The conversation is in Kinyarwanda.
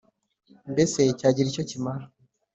Mbese cyagira icyo kimara?